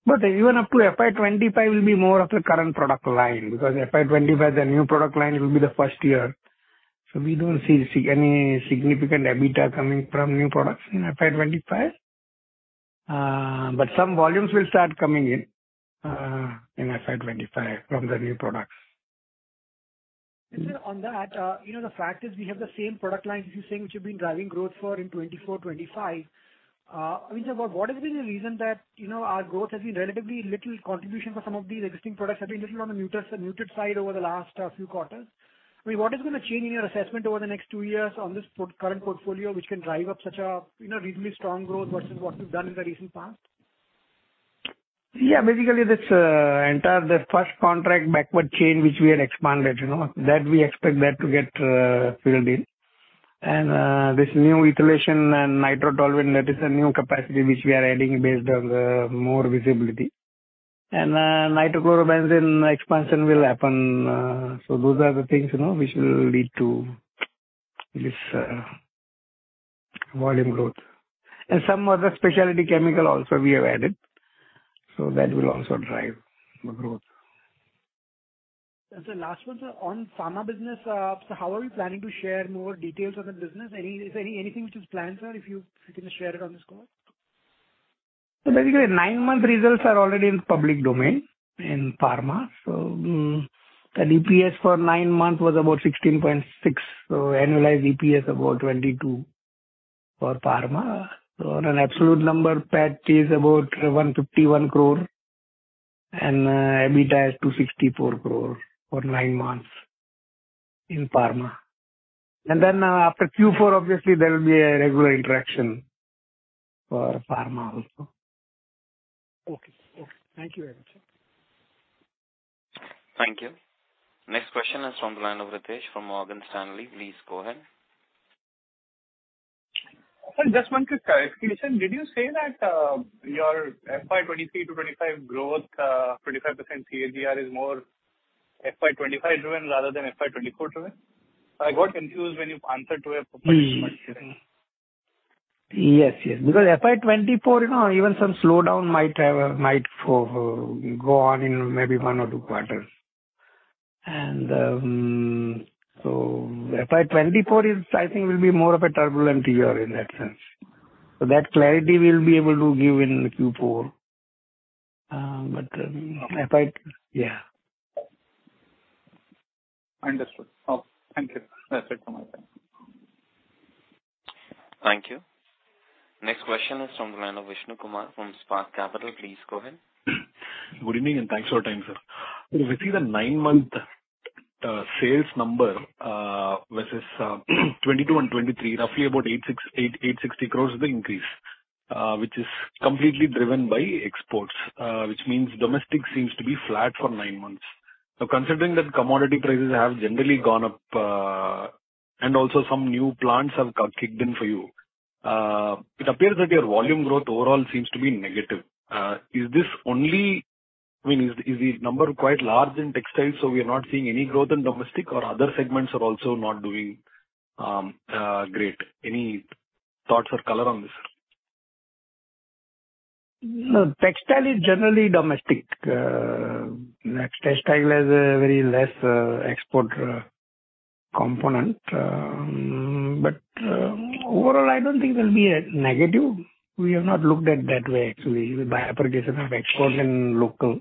Even up to FY 2025 will be more of the current product line, because FY 2025, the new product line, it will be the 1st year. We don't see any significant EBITDA coming from new products in FY 2025. Some volumes will start coming in in FY 2025 from the new products. Sir, on that, you know, the fact is we have the same product lines, as you're saying, which have been driving growth for in 2024, 2025. I mean, sir, what has been the reason that, you know, our growth has been relatively little contribution for some of these existing products have been little on the muted side over the last, few quarters. I mean, what is gonna change in your assessment over the next two years on this current portfolio, which can drive up such a, you know, reasonably strong growth versus what we've done in the recent past? Basically, this entire, the first contract backward chain which we had expanded, you know. That we expect that to get filled in. This new ethylation and Nitrotoluene, that is a new capacity which we are adding based on the more visibility. Nitrochlorobenzene expansion will happen, so those are the things, you know, which will lead to this volume growth. Some other specialty chemical also we have added, so that will also drive the growth. Sir, last one, sir. On pharma business, how are you planning to share more details of the business? Is there anything which is planned, sir, if you can just share it on this call? Basically, nine-month results are already in public domain in pharma. The EPS for nine months was about 16.6. Annualized EPS about 22 for pharma. On an absolute number, PAT is about 151 crore and EBITDA is 264 crore for nine months in pharma. After Q4, obviously there will be a regular interaction for pharma also. Okay. Okay. Thank you very much, sir. Thank you. Next question is from the line of Ritesh from Morgan Stanley. Please go ahead. Sir, just one quick clarification. Did you say that your FY 2023 to 2025 growth, 25% CAGR is more FY 2025 driven rather than FY 2024 driven? I got confused when you answered to a. Yes. FY 2024, you know, even some slowdown might go on in maybe Q1 or Q2. FY 2024 is I think will be more of a turbulent year in that sense. That clarity we'll be able to give in Q4. Yeah. Understood. Oh, thank you. That's it from my side. Thank you. Next question is from the line of Vishnu Kumar from Spark Capital. Please go ahead. Good evening, and thanks for your time, sir. When we see the nine-month sales number versus 2022 and 2023, roughly about 860 crores is the increase, which is completely driven by exports, which means domestic seems to be flat for nine months. Considering that commodity prices have generally gone up, and also some new plants have kicked in for you, it appears that your volume growth overall seems to be negative. Is this only? I mean, is the number quite large in textiles, so we are not seeing any growth in domestic or other segments are also not doing great? Any thoughts or color on this, sir? No, textile is generally domestic. textile has a very less export component. overall, I don't think there'll be a negative. We have not looked at that way actually, by aggregation of export and local.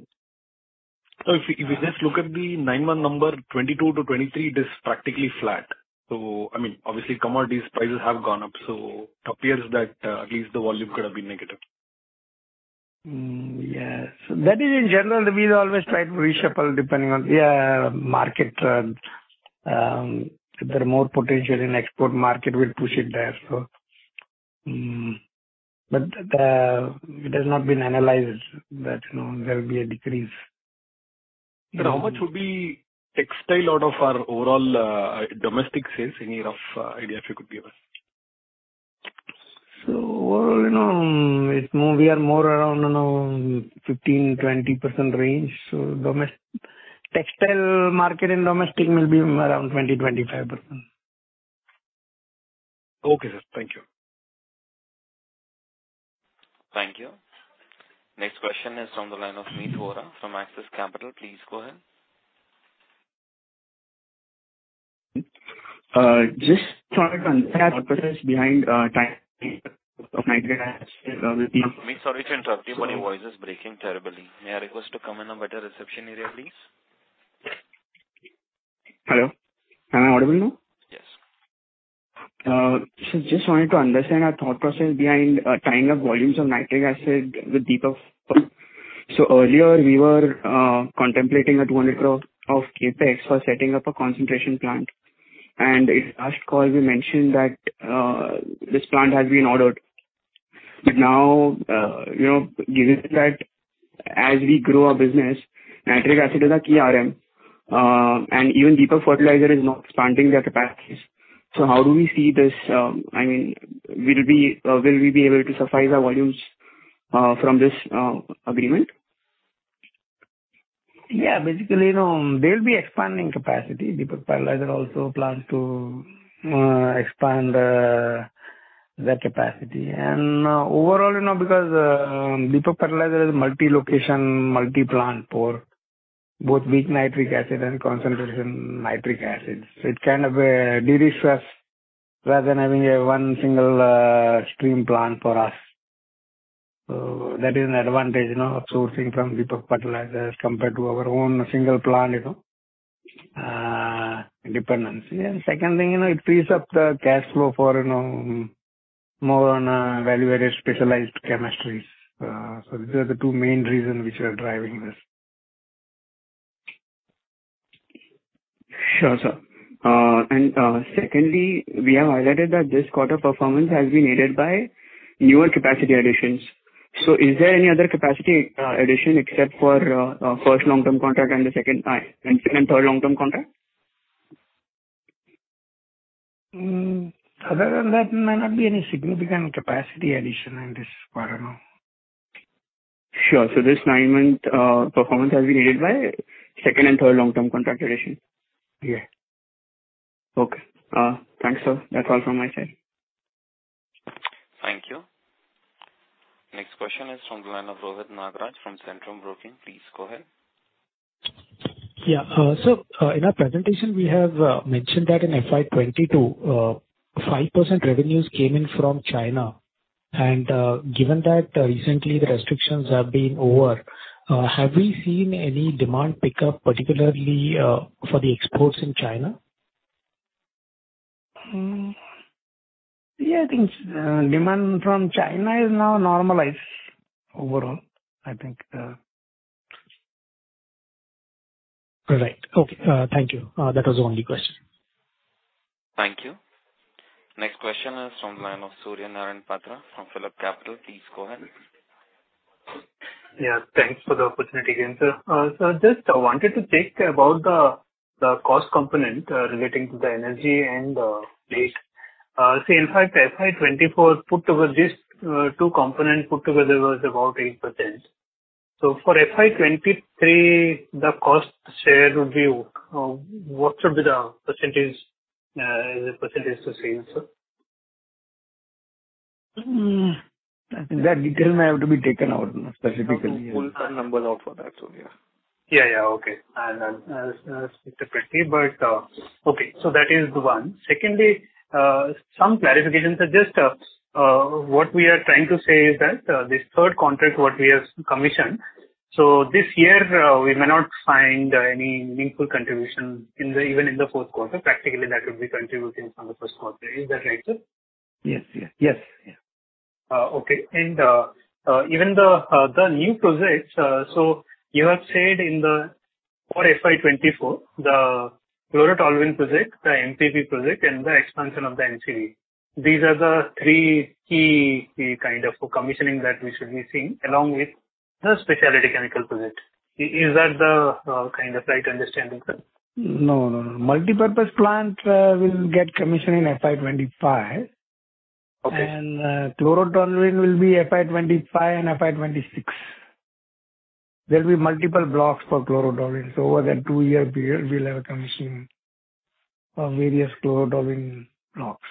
If we just look at the nine-month number, 22-23, it is practically flat. I mean, obviously commodity prices have gone up, so it appears that, at least the volume could have been negative. Yes. That is in general, we always try to reshuffle depending on the market trends. If there are more potential in export market, we'll push it there. It has not been analyzed that, you know, there'll be a decrease. How much would be textile out of our overall domestic sales? Any rough idea if you could give us? Overall, you know, it's more, we are more around, you know, 15%-20% range. Textile market in domestic will be around 20%-25%. Okay, sir. Thank you. Thank you. Next question is on the line of Mehul Vora from Axis Capital. Please go ahead. Just trying to understand behind. Mehul, sorry to interrupt you, but your voice is breaking terribly. May I request to come in a better reception area, please? Hello. Am I audible now? Yes. Just wanted to understand our thought process behind tying up volumes of nitric acid with Deepak Fertilisers. Earlier we were contemplating at 1 crore of CapEx for setting up a concentration plant. In last call we mentioned that this plant has been ordered. Now, you know, given that as we grow our business, nitric acid is our key RM, and even Deepak Fertilisers is now expanding their capacities. How do we see this, I mean, will we be able to suffice our volumes from this agreement? Yeah. Basically, you know, they'll be expanding capacity. Deepak Fertilisers also plans to expand their capacity. Overall, you know, because Deepak Fertilisers is multi-location, multi-plant for both weak nitric acid and Concentrated nitric acid. It kind of derisk us rather than having a one single stream plant for us. That is an advantage, you know, sourcing from Deepak Fertilisers as compared to our own single plant, you know, dependency. Second thing, you know, it frees up the cash flow for, you know, more on value-added specialized chemistries. These are the two main reasons which are driving this. Sure, sir. Secondly, we have highlighted that this quarter performance has been aided by newer capacity additions. Is there any other capacity addition except for first long-term contract and the second and third long-term contract? Other than that, may not be any significant capacity addition in this quarter, no. Sure. This nine-month performance has been aided by second and third long-term contract addition? Yeah. Okay. Thanks, sir. That's all from my side. Thank you. Next question is from the line of Rohit Nagraj from Centrum Broking. Please go ahead. Yeah. In our presentation, we have mentioned that in FY 2022, 5% revenues came in from China. Given that recently the restrictions have been over, have we seen any demand pickup particularly for the exports in China? Yeah, I think, demand from China is now normalized overall, I think. All right. Okay. Thank you. That was the only question. Next question is from man of Suryanarayan Patra from PhillipCapital. Please go ahead. Yeah, thanks for the opportunity again, sir. just I wanted to check about the cost component relating to the energy and rate. say in fact FY 2024 put together this, two component put together was about 8%. For FY 2023, the cost share would be, what should be the percentage, as a percentage to sales, sir? I think that detail may have to be taken out specifically. ers out for that. Yeah, yeah. Okay. Separately. Okay, so that is one. Secondly, some clarifications are just what we are trying to say is that this third contract what we have commissioned, this year, we may not find any meaningful contribution even in thE Q4. Practically, that will be contributing from the Q1. Is that right, sir Yes. Yes. Yes. Yeah. Okay. Even the new projects, so you have said in the... for FY 2024, the chlorotoluene project, the MPP project, and the expansion of the MCB. These are the 3 key kind of commissioning that we should be seeing along with the specialty chemical project. Is that the kind of right understanding, sir? No, no. Multipurpose plant will get commissioned in FY 2025. Okay. chlorotoluene will be FY 25 and FY 26. There'll be multiple blocks for chlorotoluene. Over that 2-year period, we'll have a commissioning of various chlorotoluene blocks.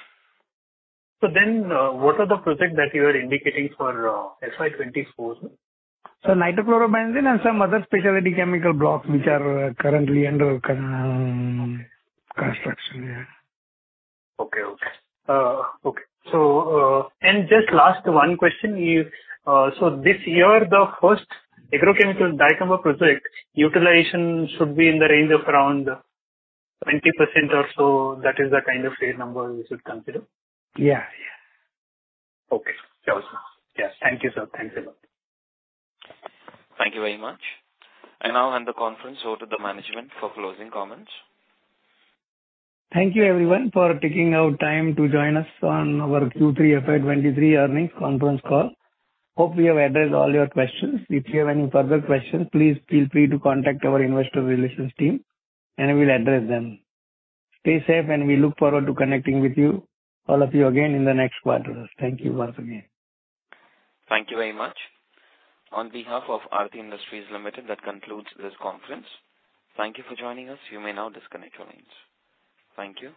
What are the projects that you are indicating for FY 24, sir? Nitrochlorobenzene and some other specialty chemical blocks which are currently under construction. Yeah. Okay, okay. Okay. Just last one question. This year, the first agrochemical dicamba project utilization should be in the range of around 20% or so. That is the kind of sale number we should consider? Yeah, yeah. Okay. Got it. Yes. Thank you, sir. Thanks a lot. Thank you very much. I now hand the conference over to the management for closing comments. Thank you everyone for taking out time to join us on our Q3 FY23 earnings conference call. Hope we have addressed all your questions. If you have any further questions, please feel free to contact our investor relations team and we'll address them. Stay safe, and we look forward to connecting with you, all of you again in the next quarter. Thank you once again. Thank you very much. On behalf of Aarti Industries Limited, that concludes this conference. Thank you for joining us. You may now disconnect your lines. Thank you.